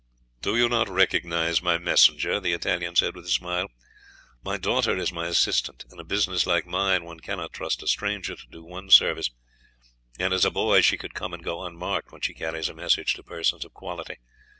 "Do you not recognize my messenger?" the Italian said with a smile. "My daughter is my assistant. In a business like mine one cannot trust a stranger to do one service, and as a boy she could come and go unmarked when she carries a message to persons of quality.